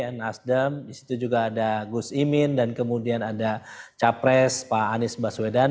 kemudian nasdem disitu juga ada gus imin dan kemudian ada capres pak anies baswedan